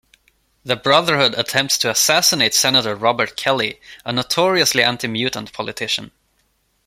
The Brotherhood attempts to assassinate Senator Robert Kelly, a notoriously anti-mutant politician.